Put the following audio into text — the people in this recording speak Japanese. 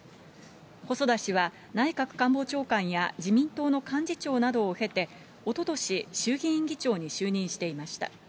細田氏は内閣官房長官や、自民党の幹事長などを経て、おととし衆議院議長に就任していました。